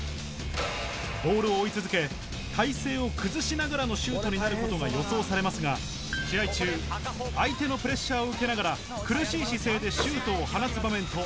ボールを追い続け、体勢を崩しながらのシュートになることが予想されますが、試合中、相手のプレッシャーを受けながら、苦しい姿勢でシュートを放つ場面